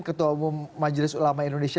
ketua umum majelis ulama indonesia